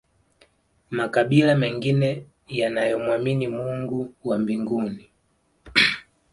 makabila mengine yanayomwamini mungu wa mbinguni